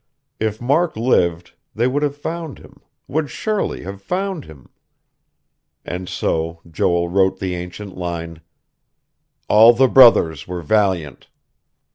If Mark lived, they would have found him, would surely have found him.... And so Joel wrote the ancient line: "'All the brothers were valiant.'"